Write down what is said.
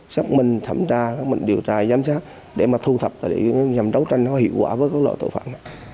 xác minh thẩm tra mình điều tra giám sát để mà thu thập nhằm đấu tranh nó hiệu quả với các loại tội phạm